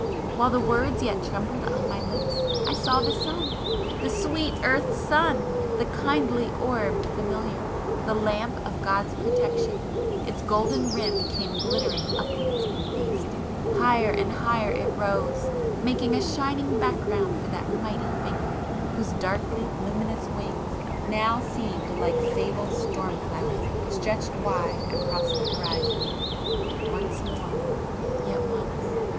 while the words yet trembled on my lips, I saw the sun! The sweet earth's sun!—the kindly orb familiar,—the lamp of God's protection,—its golden rim came glittering upwards in the east,—higher and higher it rose, making a shining background for that mighty Figure, whose darkly luminous wings now seemed like sable storm clouds stretched wide across the horizon! Once more ... yet once